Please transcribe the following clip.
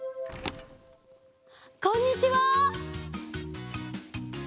こんにちは。